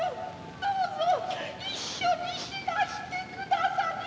どうぞ一緒に死なしてくださりませ。